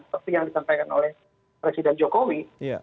seperti yang disampaikan oleh presiden jokowi